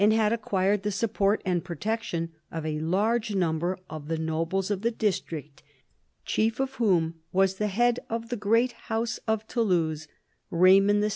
had acquired the support and protection of a large number of the nobles of the district, chief of whom was the head of the great house of Toulouse, Eaymond VI.